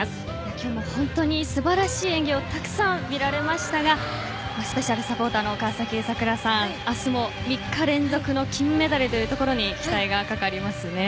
今日も本当に素晴らしい演技をたくさん見られましたがスペシャルサポーターの川崎桜さん明日も３日連続の金メダルに期待がかかりますね。